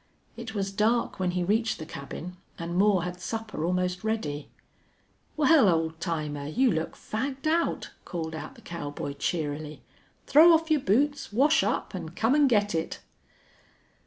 It was dark when he reached the cabin, and Moore had supper almost ready. "Well, old timer, you look fagged out," called out the cowboy, cheerily. "Throw off your boots, wash up, and come and get it!"